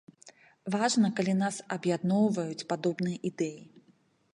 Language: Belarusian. Важна, калі нас аб'ядноўваюць падобныя ідэі!